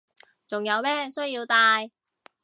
仲有咩需要戴